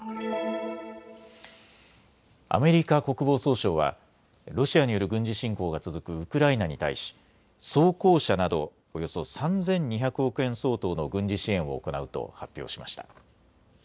アメリカ国防総省はロシアによる軍事侵攻が続くウクライナに対し装甲車などおよそ３２００億円相当の軍事支援を行うと発表しました。